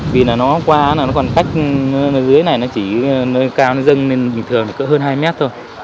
vì là nó qua là nó còn cách dưới này nó chỉ nơi cao nó dâng lên bình thường là cỡ hơn hai mét thôi